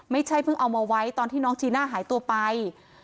ไม่ใช่เพิ่งเอามาไว้ตอนที่น้องจีน่าหายตัวไป